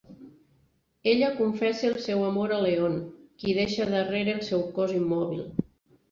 Ella confessa el seu amor a Leon, qui deixa darrere el seu cos immòbil.